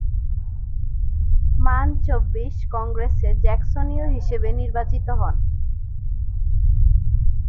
মান চব্বিশ কংগ্রেসে জ্যাকসনীয় হিসেবে নির্বাচিত হন।